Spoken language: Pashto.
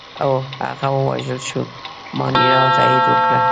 هو، هغه ووژل شو، مانیرا تایید وکړه.